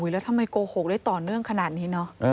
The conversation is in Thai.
แล้วทำไมโกหกได้ต่อเนื่องขนาดนี้เนอะ